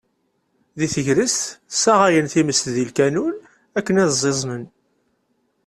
Deg tegrest, ssaɣayen times deg lkanun akken ad ẓẓiẓnen.